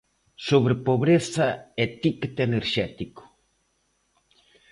Sobre pobreza e tícket enerxético.